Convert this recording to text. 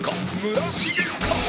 村重か？